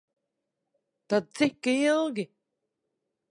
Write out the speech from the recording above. Tad cik ilgi?